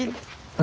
あ。